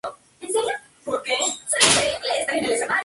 Es la máxima competición de fútbol universitario en España.